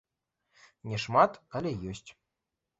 Не шмат, але ёсць.